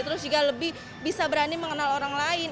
terus juga lebih bisa berani mengenal orang lain